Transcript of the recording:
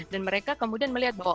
dan mereka kemudian melihat bahwa